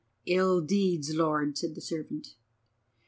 "Ill deeds, Lord," said the servant.